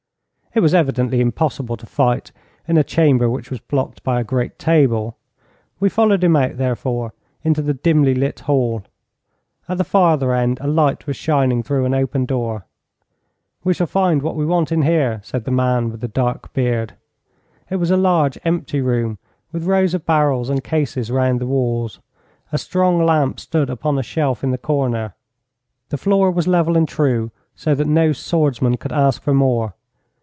It was evidently impossible to fight in a chamber which was blocked by a great table. We followed him out, therefore, into the dimly lit hall. At the farther end a light was shining through an open door. 'We shall find what we want in here,' said the man with the dark beard. It was a large, empty room, with rows of barrels and cases round the walls. A strong lamp stood upon a shelf in the corner. The floor was level and true, so that no swordsman could ask for more.